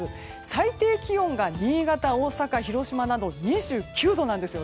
最低気温が新潟、大阪、広島など２９度なんです。